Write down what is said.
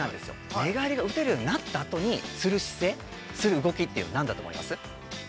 寝返りが打てるようになった後、する姿勢、する動き、何だと思います？